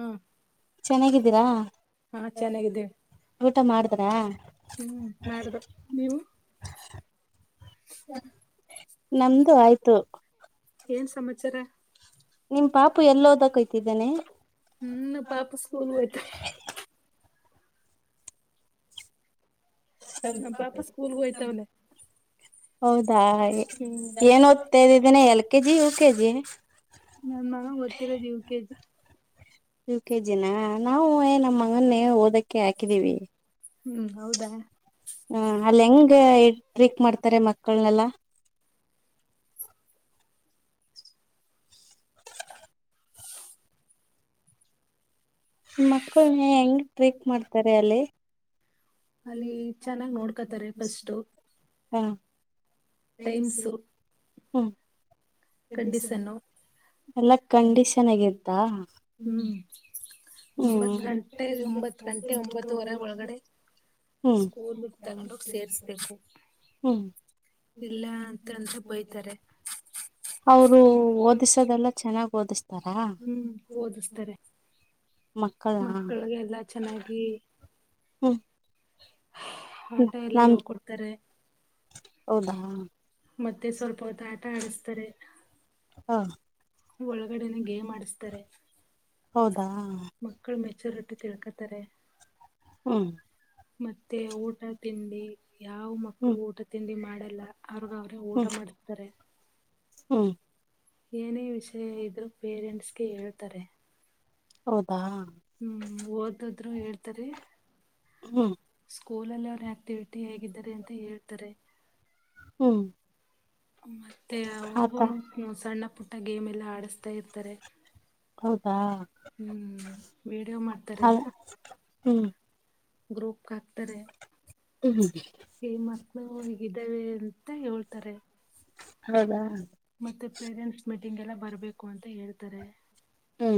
ಹ್ಮ ಚೆನ್ನಾಗಿದ್ದೀರಾ ಹಾ ಚೆನ್ನಾಗಿದ್ದೇವೆ ಊಟ ಮಾಡಿದ್ರಾ ಹ್ಮ್ ಮಾಡ್ದ ನೀವು ನಮ್ದು ಆಯ್ತು ಏನ್ ಸಮಾಚಾರ ನಿಮ್ ಪಾಪು ಎಲ್ಲೋದಕ್ ಹೋಯ್ತಿದ್ದಾನೆ ಹ್ಮ ಪಾಪ ಸ್ಕೂಲ್ ಹೊತ ನಮ್ಮ ಪಾಪ ಸ್ಕೂಲ್ ಹೋಯ್ತವನೆ. ಹೌದಾ ಹ್ಮ್ ಏನ್ ಓದ್ತಾ ಇದ್ದಿದ್ದೀನಿ ಎಲ್ ಕೆಜಿ ಯ ಕೆಜಿ. ನನ್ ಮನ ಓತ್ತಿರೋದು U K G. U V K ಜಿನ ನಾವು ಏ ನಮ್ಮ ಮಗನ್ನೇ ಓದಕ್ಕೆ ಹಾಕಿದೀವಿ. ಹ್ಮ್ ಹೌದಾ. ಹ ಅಲ್ಲಿ ಹೆಂಗ ಟ್ರೀಕ್ ಮಾಡ್ತಾರೆ ಮಕ್ಕಳನೆಲ್ಲಾ. ಮಕ್ಳ ಹೆಂಗ್ ಟ್ರೀಕ್ ಮಾಡ್ತಾರೆ ಅಲ್ಲಿ. ಅಲ್ಲಿ ಚೆನ್ನಾಗಿ ನೋಡ್ಕೋತಾರೆ ಫಸ್ಟ್. ಹಾಂ...... ಟೈಮ್ಸು ಹ್ಞೂ. ಕಂಡೀಷನ್ನು ಎಲ್ಲ ಕಂಡೀಷನ್ ಆಗಿತ್ತಾ. ಹ್ಮ್ ಒಂಬತ್ ಗಂಟೆ ಒಂಬತ್ ಗಂಟೆ. ಒಂಬತ್ತುವರೆ ಒಳಗಡೆ ಹ್ಮ್ ಸ್ಕೂಲ್ ಬಿಟ್ಟು ತಗೊಂಡ ಹೋಗಿ ಸೇರ್ಸ್ಬೇಕು. ಹ್ಮ್ ಇಲ್ಲ ಅಂತಂತ ಬಯ್ತಾರೆ. ಅವರು ಓದಿಸದೆಲ್ಲ ಚೆನ್ನಾಗ್ ಓದಿಸ್ತಾರಾ. ಹ್ಮ್ ಮಕ್ಕಳ. ಮಕ್ಕಳಗೆಲ್ಲಾ ಚೆನ್ನಾಗಿ. ಹ್ಮ್ ಹ್ಮ್ ಆಟ ಎಲ್ಲ ನಾನ್ ಹೇಳ ಕೊಡ್ತಾರೆ. ಹೌದಾ....... ಹೊತ್ತು ಆಟ ಆಡಸ್ತಾರೆ ಹಾ. ಒಳಗಡೆನೆ ಗೇಮ್ ಆಡಿಸ್ತಾರೆ. ಹೌದಾ ಮಕ್ಕಳು ಮೆಚೂರಿಟಿ ತಿಳ್ಕೊತಾರೆ. ಹ್ಮ್ ಮತ್ತೆ ಊಟ ತಿಂಡಿ. ಯಾವ ಮಕ್ಳು ಹ್ಮ್ ಊಟ ತಿಂಡಿ ಮಾಡಲ್ಲ ಅವ್ರಗ ಅವ್ರೇ ಊಟ ಹ್ಮ್ ಮಾಡ್ತಾರೆ. ಹ್ಮ್ ಏನೇ ವಿಷಯ ಇದ್ರು ಪೇರೆಂಟ್ಸ್ಗೆ ಹೇಳ್ತಾರೆ. ಹೌದಾ. ಹ್ಮ್ ಓದದ್ರು ಹೇಳ್ತರಿ ಹ್ಮ್ ಸ್ಕೂಲ್ ಅಲ್ಲಿ ಅವರು ಆಕ್ಟಿವಿಟಿ ಹೇಗಿದ್ದಾರೆ ಅಂತ ಹೇಳ್ತಾರೆ. ಹ್ಮ್ ಮತ್ತೆ ಆತ ಅವರ್ಗೂನು ಸಣ್ಣ ಪುಟ್ಟ ಗೇಮ್ ಎಲ್ಲ ಆಡಸ್ತಾ ಇರ್ತಾರೆ. ಹೌದಾ ಹ್ಮ್ ವೀಡಿಯೋ ಮಾಡ್ತಾರೆ. ಹ ಹ್ಮ್ ಗ್ರೂಪ್ ಹಾಕ್ತಾರೆ. ಹ್ಮ್ ಈ ಮಕ್ಕಳು ಹಗಿದ್ದಾವ ಅಂತ ಹೇಳ್ತಾರೆ. ಹೌದಾ ಮತ್ತೆ ಪೇರೆಂಟ್ಸ್ ಮೀಟಿಂಗ್ ಎಲ್ಲ ಬರಬೇಕು ಅಂತ ಹೇಳ್ತಾರೆ. ಹ್ಞ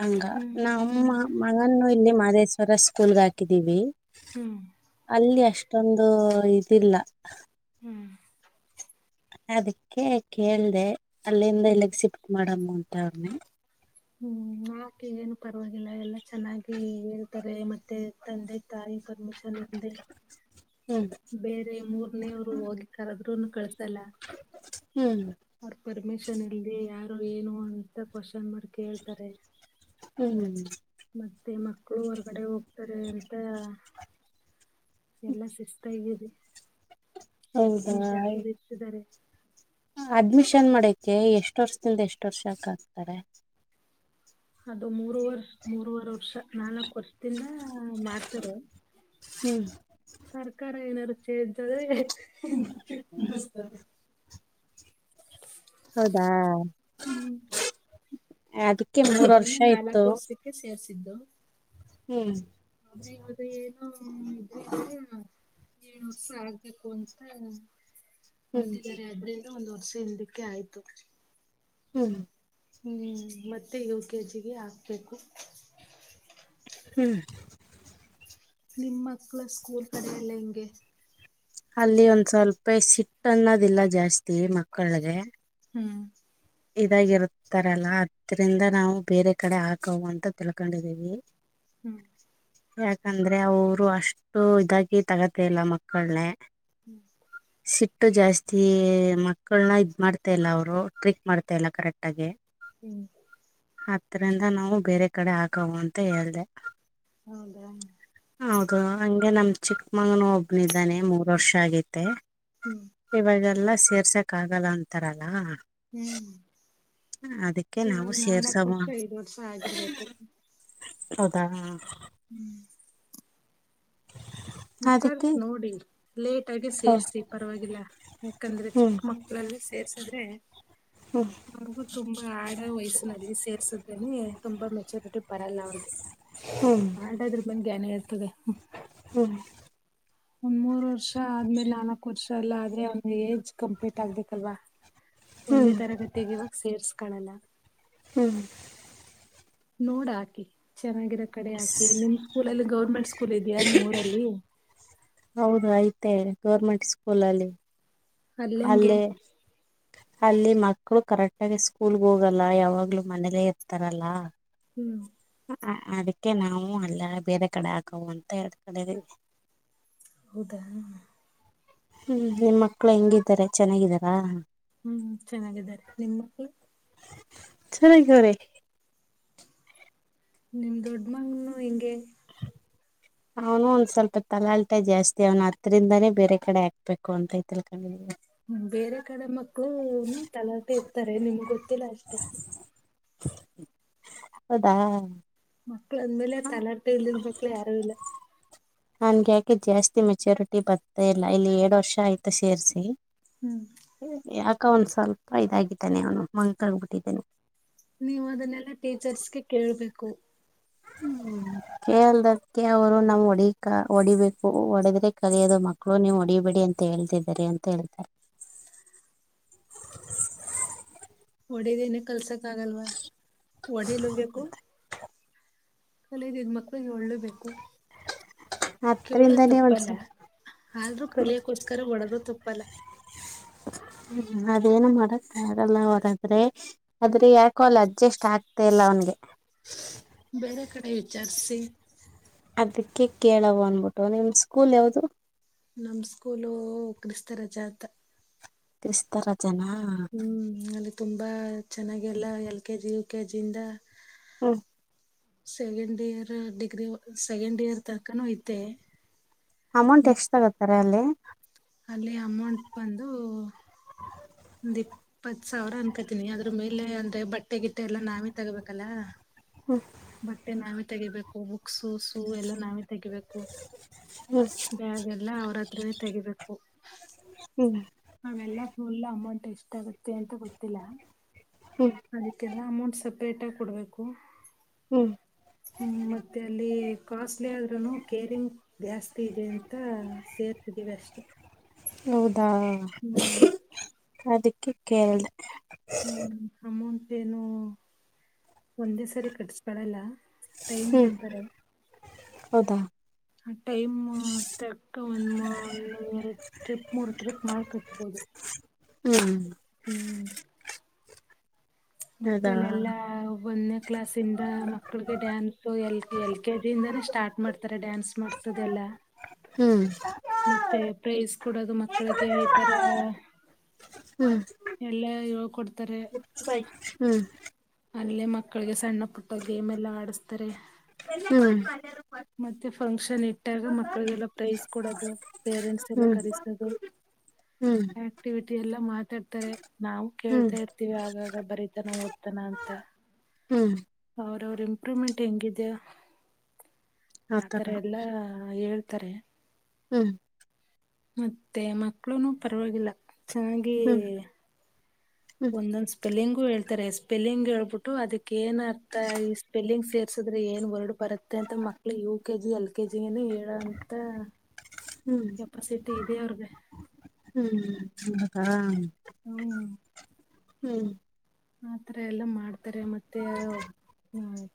ಹಂಗ ಹ್ಮ್ ನಮ್ಮ ಮಗನ್ನು ಇಲ್ಲಿ ಮಹದೇಶ್ವರ ಸ್ಕೂಲ್ಗೆ ಹಾಕಿದೀವಿ. ಹ್ಮ ಅಲ್ಲಿ ಅಷ್ಟೊಂದು ಇದಿಲ್ಲ ಹ್ಮ್ ಅದಕ್ಕೆ ಕೇಳ್ದ ಅಲ್ಲಿಂದ ಇಲ್ಲೇ ಶಿಫ್ಟ್ ಮಾಡಮ್ಮ ಉಂಟ ಅವ್ರನ. ಹ್ಮ್ ನಾಕೆ ಏನು ಪರವಾಗಿಲ್ಲ ಎಲ್ಲಾ ಚೆನ್ನಾಗಿ. ಹೇಳ್ತಾರೆ ಮತ್ತೆ ತಂದೆ ತಾಯಿ ಪರ್ಮಿಷನ್ ಇಲದೆ. ಹ್ಮ್ ಬೇರೆ ಮೂರ್ನೇವರು ಹೋಗಿ ಕರದ್ರುನು ಕಳ್ಸಲ್ಲ. ಹ್ಮ್ ಅವರ ಪರ್ಮಿಷನ್ ಇಲದೇ ಯಾರ್. ಏನು ಅಂತ ಕ್ವಶನ್ ಮಾಡಿ ಕೇಳ್ತಾರೆ. ಹ್ಮ್ ಹ್ಮ್ ಮತ್ತೆ ಮಕ್ಕಳು ಹೊರ್ಗಡೆ ಹೋಗ್ತಾರೆ ಅಂತ ಎಲ್ಲ ಶಿಸ್ತ ಆಗರಿ ಸೇಫಿ ಹೌದಾ ಜರು ಇರ್ತಿದ್ದಾರೆ ಅಡ್ಮಿಷನ್ ಮಾಡೆಕೆ ಎಷ್ಟ್ ವರ್ಷದಿಂದ ಎಷ್ಟ್ ವರ್ಷಕ ಆಕ್ತಾರೆ ಅದು ಮೂರ್ ವರ್ಷ ಮೂರ್ವರೆ ವರ್ಷ ನಾಲ್ಕ್ ವರ್ಷದಿಂದ ಮಾಡ್ತಾರೆ ಹ್ಮ್ ಸರ್ಕಾರ ಏನಾರು ಚೆಜೇ ಆದ್ರೆ ಹೌದಾ ಅದಕ್ಕೆ ಮೂರ್ ವರ್ಷ ಇತ್ತು ಸೇರ್ರಿಸಿದ್ದು ಹ್ಮ್ ಅದೆದು ಏನು ಇದ್ರ ಏಳರ್ಷ ಆ ಬು ಅಂತ ಹ್ಮ್ ಅಂತಿದ್ದಾರೆ ಅಂದ್ರು ಒಂದ್ ವರ್ಷ ಹಿಂದಕ್ಕೆ ಆಯ್ತು ಹ್ಮ್ ಹ್ಮ್ ಮತ್ತೆ ಯು ಕೆ ಜಿಗೆ ಹಾಕ್ಬೇಕು ಹ್ಮ್ ನಿಮ್ಮ ಮಕ್ಕಳು ಸ್ಕೂಲ್ ಕಡೆ ಎಲ್ಲಾ ಹೆಂಗೆ ಅಲ್ಲಿ ಒಂದ್ ಸ್ವಲ್ಪ ಸಿಟ್ಟ ಅನ್ನೋದಿಲ್ಲ ಜಾಸ್ತಿ ಮಕ್ಕಳಗೆ ಹ್ಮ್ ಇದಾಗಿರುತ್ತೆ ತರಲ್ಲ ಅದ್ರಿಂದ ನಾವು ಬೇರೆ ಕಡೆ ಹಾಕ ಅಂತ ತಿಳ್ಕೊಂಡಿದೀವಿ ಹ್ಮ್ ಯಾಕಂದ್ರೆ ಅವರು ಅಷ್ಟು ಇದಾಗಿ ತಗೋತ ಇಲ್ಲ ಮಕ್ಕಳಗೆ ಹ್ಮ್ ಸಿಟ್ಟು ಜಾಸ್ತಿ ಮಕ್ಕಳನ್ನ ಇದ ಮಾಡ್ತಾ ಇಲ್ಲ ಅವರು ಟ್ರಿಕ್ ಮಾಡ್ತಾ ಇಲ್ಲ ಕರೆಕ್ಟಾಗಿ ಹ್ಮ್ ಹತ್ರರಿಂದ ನಾವು ಬೇರೆ ಕಡೆ ಹಾಕವ ಅಂತ ಹೇಳ್ದ ಹೌದಾ ಹೌದು ಹಂಗೆ ನಮ್ ಚಿಕ್ಕಮಗನ ಒಬ್ನ ಇದಿದ್ದಾನೆ ಮೂರ್ ವರ್ಷ ಆಗೈತೆ ಹ್ಮ್ ಇವಾಗೆಲ್ಲ ಸೇರ್ಸಕ್ ಆಗಲ್ಲ ಅಂತಾರಲ್ಲ ಹ್ಮ್ ಅದಕ್ಕೆ ನಾವು ಇವಾಗ ನಾಲ್ಕ್ ಸೇರ್ಸವ ವರ್ಷ ಐದ್ ವರ್ಷ ಆಗಿರ್ಬೇಕು ಹೌದಾ ಹ ಹ್ಞೂ ಅದಕ್ಕೆ ವಿಚಾರಸಿ ನೋಡಿ ಲೇಟ್ ಆಗಿ ಸೇರ್ಸಿ ಪರವಾಗಿಲ್ಲ ಯಾಕಂದ್ರೆ ಹ್ಮ್ ಚಿಕ್ಕ ಮಕ್ಕಳಲ್ಲಿ ಸೇರ್ಸಿದ್ರೆ ಅವ್ರಿಗು ತುಂಬಾ ಆಡ ವಯಸ್ಸಿನಲ್ಲಿ ಸೇರ್ಸುತ್ತೇನೆ ತುಂಬಾ ಮೆಚುರಿಟಿ ಬರಲ್ಲ ಅವ್ರಿಗೆ ಹ್ಮ್ [unintelligible] ಇರ್ತದೆ ಹ್ಮ್ ಒಂದ ಮೂೂರು ವರ್ಷ ಆದ್ಮೇಲೆ ನಾಲ್ಕು ವರ್ಷ ಅಲ್ಲ ಆದ್ರೆ ಅವ್ ಏಜ್ ಕಂಪ್ಲೀಟ್ ಆಗ್ಬೇಕಲ್ವಾ ಒಂದೇ ಹ್ಮ್ ತರಗತಿಗೆ ಇವಾಗ ಸೇರ್ಸ್ಕಳಲ್ಲ ಹ್ಮ್ ನೋಡಿ ಹಾಕಿ ಚೆನ್ನಾಗಿರೋ ಕಡೆ ಆಕಿ ನಿಮ್ ಸ್ಕೂಲ್ ಅಲ್ಲಿ ಗೌರ್ಮೆಂಟ್ ಸ್ಕೂಲ್ ಇದೆಯಾ ನಿಮ್ಮ್ಊರಲ್ಲಿ ಹೌದು ಐ್ತ ಗೌರ್ಮೆಂಟ್ ಸ್ಕೂಲಲ್ಲಿ ಅಲ್ಲಂಗೆ ಅಲ್ಲೇ ಅಲ್ಲಿ ಮಕ್ಕಳು ಕರೆಕ್ಟ್ ಆಗ ಸ್ಕೂಲ್ ಗೆ ಹೋಗಲ್ಲ ಯಾವಾಗ್ಲೂ ಮನೇಲೆೇ ಇರ್ತಾರಲ್ಲ ಹ್ಮ್ ಅದಕ್ಕೆ ನಾವು ಅಲ್ಲೆ ಬೇರೆ ಕಡೆ ಹಾಕವಾ ಅಂತ ಹೇಳ್ಕೊಂಡಿದೀವಿ. ಹೌದಾ ಹು ನಿಮ್ಮ ಮಕ್ಳ ಹೆಂಗಿದ್ದಾರೆ ಚೆನ್ನಾಗಿದಾರಾ. ಹು ಚೆನ್ನಾಗಿದ್ದಾರೆ ನಿಮ್ಮ ಮಕ್ಳು ಹು ಚೆನ್ನಾಗವ್ರೆ ನಿಮ್ಮ ದೊಡ್ಡ ಮಗನು ಹೆಂಗೆ. ಚಿ ಅವನು ಒಂದ ಸ್ವಲ್ಪ ತಲೆಹಲ್ಟೆ ಜಾಸ್ತಿ ಅವನು ಅತ್ರರಿಂದಾನೇ ಬೇರೆ ಕಡೆ ಹಾಕ್ಬೇಕು ಅಂತೈತಿ. ಕಂಡಹಿಡಿ ನೋಡ. ಹು ಬೇರೆ ಕಡೆ ಮಕ್ಳು ತಲಹರ್ಟೆ ಇರ್ತಾರೆ ನಿಮಗ ಗೊತ್ತಿಲ್ಲಾ ಅಷ್ಟೆ. ಹೌದಾ ಮಕ್ಳು ಅಂದ್ಮೇಲೆ ತಲಹರ್ಟೆ ಇಲ್ಲದ ಮಕ್ಳು ಯಾರು ಇಲ್ಲಾ. ನನಗೆ ಯಾಕೆ ಜಾಸ್ತಿ ಮೆಚ್ಯೂರಿಟಿ ಬರ್ತಾ ಇಲ್ಲಾ ಇಲ್ಲಿ ಎರಡ ವರ್ಷ ಆಯ್ತ ಸೇರ್ಸಿ. ಹು ಯಾಕ ಅವನು ಸ್ವಲ್ಪ ಇದಾಗಿದ್ದಾನೆ ಅವನು ಮಂಕ ಆಗಿಬಿಟ್ಟಿದ್ದಾನೆ. ನೀವು ಅದನ್ನೆಲ್ಲಾ ಟೀಚರ್ಸ್ಗೆ ಕೇಳ್ಬೇಕು. ಹು ಕೇಳದಕ್ಕೆ ಅವರು ನಾವು ಹೊಡಿ ಹೊಡಿಬೇಕು ಹೊಡೆದ್ರೆ ಕಲಿಯೋದು ಮಕ್ಕ ಕ್ಕಳು ನೀವು ಹೊಡಿಬೇಡಿ ಅಂತ ಹೇಳ್ತಿದೀರಿ ಅಂತ ಹೇಳ್ತಾರೆ. ಒಡಿದೇನಿ ಕಲ್ಸಕ ಆಗಲ್ವಾ ಒಡಿಲು ಬೆಕು. ಕಲಿಲಿದ್ದ ಮಕ್ಳಿಗೆ ಒಳ್ಳೇ ಬೇಕು. ಕೇಳೋದ ಅದ್ರಿಂದಾನೇ ಒಂದ್ಸ ತಪ್ಪಲ್ಲಾ ಆದ್ರೂ ಕಲಿಯಕೋಸ್ಕರ ಹೊಡುದ್ರು ತಪ್ಪಲ್ಲಾ. ಹು ಅದೇನು ಮಾಡಕಾಗಲ್ಲಾ ಅವಗಾದ್ರೆ ಆದ್ರೆ ಯಾಕೆ. ಕೋಲ್ ಅಡ್ಜಸ್ಟ್ ಆಗತ್ತಾ ಇಲ್ಲಾ ಅವನಿಗೆ. ಬೇರೆ ಕಡೆ ವಿಚಾರಿಸಿ. ಅದಕ್ಕೆ ಕೇಳವು ಅನ್ಬಿಟ್ಟು ನಿಮ ಸ್ಕೂಲ್ ಯಾವುದು. ನಮ್ಮ ಸ್ಕೂಲು ಕ್ರಿಸ್ತ ರಜಾ ಅಂತಾ. ಕ್ರಿಸ್ತರಜಾ ನಾ. ಹು ಅಲ್ಲಿ ತುಂಬಾ ಚೆನ್ನಾಗೆಲ್ಲಾ L K G U K G ಇಂದ. ಹು second year degree second year ತನಕನೂ ಐತೆ. ಅಮೌಂಟ್ ಎಷ್ಟು ತಗತ್ತಾರೆ ಅಲ್ಲಿ. ಅಲ್ಲಿ ಅಮೌಂಟ್ ಬಂದು. ಒಂದ ಇಪ್ಪತ್ ಸಾವಿರ ಅನ್ಕತೀನಿ ಅದ್ರ ಮೇಲೆ ಅಂದ್ರೆ ಬಟ್ಟೆ ಗಿಟ್ಟ ಎಲ್ಲಾ ನಾವೇ ತಗೋಬೇಕಲ್ಲಾ. ಹು ಬಟ್ಟೆ ನಾವೇ ತೆಗಿಬೇಕು ಬುಕ್ಸು ಸೂ ಎಲ್ಲ ನಾವೇ ತೆಗಿಬೇಕು. ಹ್ಮ್ ಬ್ಯಾಗ ಎಲ್ಲಾ ಅವರ ಹತ್ರಾನೆ ತೆಗಿಬೇಕು. ಹು ಅವೆಲ್ಲಾ ಫುಲ್ ಅಮೌಂಟ್ ಎಷ್ಟ ಆಗುತ್ತೆ ಅಂತ ಗೊತ್ತಿಲ್ಲಾ. ಹು ಅದಕ್ಕೆಲ್ಲಾ ಅಮೌಂಟ್ ಸಪ್ರೇಟಾಗಿ ಕೊಡಬೇಕು. ಹು ಹು ಮತ್ತೆ ಅಲ್ಲಿ ಕಾಸ್ಟ್ಲಿ ಆದ್ರುನು ಕೇರಿಂಗ್ ಜಾಸ್ತಿ ಇದೆ ಅಂತಾ ಸೇರ್ತಿದೀವಿ ಅಷ್ಟೆ. ಹೌದಾ ಹು ಅದಕ್ಕೆ ಕೇಳ್ದೆ. ಹ್ಮು ಅಮೌಂಟ್ ಏನೋ ಒಂದೇ ಸರಿ ಕಟ್ಸಕಳಲ್ಲ ಟೈಮ್ ಹ್ಮ್ ಕೊಡ್ತಾರೆ. ಹೌದಾ ಆ ಟೈಮ್ ತಕ್ಕ [unintelligible] ಟ್ರಿಪ್ ಮೂರು ಟ್ರಿಪ್ ಮಾಡಡಿ ಕಟ್ಬೋದು. ಹ್ಮು ಹ್ಮು ಮತ್ತೆ ಹೌದಾ ಅಲ್ಲೆಲ್ಲಾ ಒನ್ನೆ ಕ್ಲಾಸಿಂದ ಮಕ್ಕಳಿಗೆ ಡ್ಯಾನ್ಸು ಎ ಎಲ್-ಕೆ-ಜಿ ಇಂದಾನೆ ಸ್ಟಾರ್ಟ್ ಮಾಡ್ತಾರೆ ಡ್ಯಾನ್ಸ್ ಮಾಡ್ಸೋದೆಲ್ಲ. ಹ್ಮು ಮತ್ತೆ ಪ್ರೈಸ್ ಕೊಡದು ಮಕ್ಕಳಿಗೆ ಈ ತರ ಹ್ಮು ಎಲ್ಲ ಹೇಳ್ಕೊಡ್ತಾರೆ. ಬೈಕ್ ಹ್ಮು. ಅಲ್ಲೇ ಮಕ್ಕಳಿಗೆ ಸಣ್ಣ ಪುಟ್ಟ ಗೇಮ್ ಎಲ್ಲ ಆಡಸ್ತಾರೆ. ಹ್ಮು ಮತ್ತೆ ಫಂಕ್ಷನ್ ಇಟ್ಟಾಗ ಮಕ್ಕಳಿಗೆಲ್ಲ ಪ್ರೈಸ್ ಕೊಡೋದು ಪೇರೆಂಟ್ಸ್ ಎಲ್ಲ ಕರಿಸೋದು. ಹ್ಮು ಆಕ್ಟಿವಿಟಿ ಎಲ್ಲ ಮಾತಾಡ್ತಾರೆ ನಾವು ಹ್ಮ್ ಕೇಳ್ತಾ ಇರ್ತೀವಿ ಆಗಾಗ ಬರಿತಾನ ಓದ್ತಾನ ಅಂತ. ಹ್ಮು ಅವ್ರ ಅವ್ರ್ ಇಂಪ್ರೂವ್ಮೆಂಟ್ ಹೆಂಗಿದಿಯೊ ಆತರ ಎಲ್ಲಾ ಹೇಳ್ತಾರೆ. ಹ್ಮು ಮತ್ತೆ ಮಕ್ಕಳುನು ಪರವಾಗಿಲ್ಲ ಚೆನ್ನಾಗಿ ಹ್ಮ್ ಹ್ಮ್ ಒಂದೊಂದ ಸ್ಪೆಲ್ಲಿಂಗು ಹೇಳ್ತಾರೆ. ಸ್ಪೆಲ್ಲಿಂಗ್ ಹೇಳ್ಬಿಟ್ಟು ಅದಕ್ಕ ಏನ್ ಅರ್ಥ ಈ ಸ್ಪೆಲ್ಲಿಂಗ್ ಸೇರ್ಸಿದ್ರೆ ಏನ್ ವರ್ಡ್ ಬರುತ್ತೆ ಅಂತ ಮ ಯು-ಕೆ-ಜಿ, ಎಲ್-ಕೆ-ಜಿ ಏನು ಹೇಳ ಅಂತ ಹ್ಮು ಹ್ಮು ಅವ್ರಗೆ [unintelligible] ಹ್ಮು ಹ್ಮು. ಹ್ಮು ಆತರ ಎಲ್ಲಾ ಮಾಡ್ ತ್ತಾರೆ ಮತ್ತೆ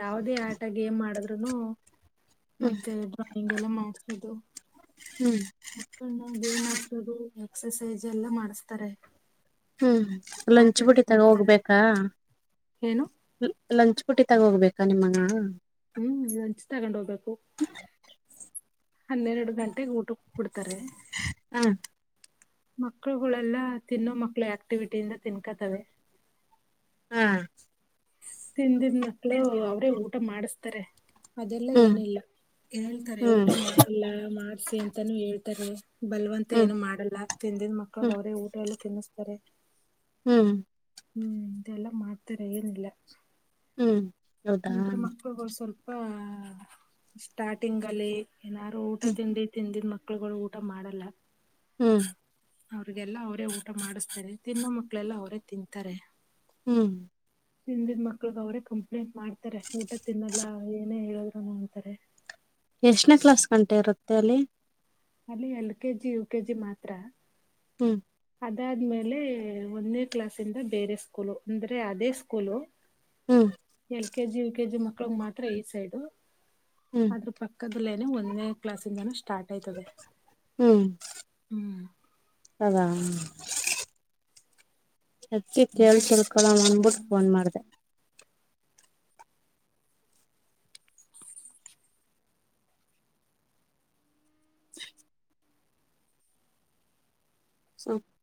ಯಾವದೇ ಆಟ ಗೇಮ್ ಆಡದ್ರೇನು ಮತ್ತೆ ಡ್ರಾಯಿಂಗ್ ಎಲ್ಲ ಮಾಡ್ಸೋದು. ಹ್ಮು ಮಕ್ಕಳನ್ನ ಗೇಮ್ ಆಡ್ಸೋದು ಎಕ್ಸಸೈಜ್ ಎಲ್ಲ ಮಾಡಸ್ತಾರೆ. ಹ್ಮು ಆಟ ಲಂಚ್ ಬುಟ್ಟಿ ಆಡಕ್ ತಗೋ ಬಿಡ್ತಾರೆ ಹೋಗ್ಬೇಕಾ. ಏನು ಲಂಚ್ ಬುಟ್ಟಿ ತಗೋ ಹೋಗ್ಬೇಕಾ ನಿಮ್ಮನ್ನಾ. ಹ್ಮು ಲಂಚ್ ತಗೊಂಡ್ ಹೋಗ್ಬೇಕು. ಹನ್ನೆರಡ ಗಂಟೆಗೆ ಊಟಕ್ ಕೊಡ್ತಾರೆ. ಮಕ್ಕಳುಗಳೆಲ್ಲ ತಿನ್ನೋ ಮಕ್ಳು ಆಕ್ಟಿವಿಟಿಯಿಂದ ತಿನ್ಕತ್ತಾವೆ. ಹಾ ತಿಂದಿದ ಮಕ್ಳು ಅವ್ರೇ ಊಟ ಮಾಡಸ್ತಾರೆ ಅದೆಲ್ಲ ಹ್ಮ್ ಏನಿಲ್ಲ. ಹೇಳ್ತಾರೆ ಹ್ಮ್ ಊಟ ಮಾಡಲ್ಲ ಮಾಡ್ಸಿ ಅಂತಾನೂ ಹೇಳ್ತಾರೆ. ಬಲ್ವಂತ ಹ್ಮ್ ಏನು ಮಾಡಲ್ಲ ತಿಂದಿದ ಹ್ಮ್ ಮಕ್ಳಗ್ ಅವ್ರೇ ಊಟ ಎಲ್ಲ ತಿನ್ನಸ್ತಾರೆ. ಹ್ಮು ಹ್ಮ್ ಇದೆಲ್ಲ ಮಾಡ್ತಾರೆ ಏನಿಲ್ಲಾ ಹ್ಮ್ ಹೌದಾ ಅಂದ್ರೆ ಮಕ್ಕಳುಗಳು ಸ್ವಲ್ಪ ಸ್ಟಾರ್ಟಿಂಗ್ ಅಲ್ಲಿ ಏನಾರು ಊಟ ತಿಂಡಿ ಹಿಂದಿನ ಮಕ್ಳು ಗಳು ಊಟಾ ಮಾಡಲ್ಲ ಹ್ಮ್ ಅವ್ರಿಗೆಲ್ಲ ಅವರೇ ಊಟ ಮಾಡಿಸ್ತಾರೆ ತಿನ್ನೋ ಮಕ್ಕಳೆಲ್ಲ ಅವರೇ ತಿಂತಾರೆ ಹ್ಮ್ ಹಿಂದಿದ ಮಕ್ಕಳಿಗೆ ಅವರೇ ಕಂಪ್ಲೇಂಟ್ ಮಾಡ್ತಾರೆ ಊಟ ತಿನ್ನಲ್ಲಾ ಏನೇ ಹೇಳದ್ರು ನೋಡ್ಂತಾರೆ ಎಷ್ಟನೇ ಕ್ಲಾಸ್ ಗಂಟೆ ಇರುತ್ತೆ ಅಲ್ಲಿ ಅಲ್ಲಿ L K G U K G ಮಾತ್ರಾ ಹ್ಮ್ ಅದಾದ್ಮೇಲೆ ಒಂದೇ ಕ್ಲಾಸ್ ಇಂದ ಬೇರೆ ಸ್ಕೂಲು ಅಂದ್ರೆ ಅದೇ ಸ್ಕೂಲು ಹ್ಮ್ L K G U K G ಮಕ್ಕಳಿಗೆಲ್ಲ ಮಾತ್ರ ಈ ಸೈಡು ಹ್ಮ್ ಅ್ರ ಪಕ್ಕದಲ್ಲೇನೆ ಒಂದೇ ಕ್ಲಾಸ್ ಇಂದಿನ ಸ್ಟಾರ್ಟ್ ಆಯ್ತದೆ ಹ್ಮ್ ಹ್ಮ್ [inaudible] ಅದಕ್ಕೆ ಕೇಳ್ ತಿಳ್ಕೊಳ ಅಂದಬಿಟ್ಟು ಫೋನ್ ಮಾಡ್ದೆ [unintelligible] [unintelligible]